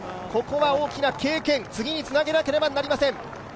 ここは大きな経験、次につなげなければいけません。